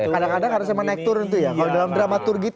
kadang kadang harus naik turun kalau dalam drama turgi